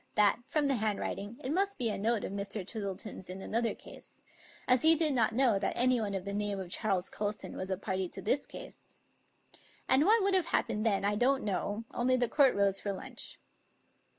that, from the handwriting, it must be a note of Mr. Twistle ton's in another case ; as he did not know that anyone of the name of Charles Colston was a party to this case. And what would have happened then I don't know; only the court rose for lunch.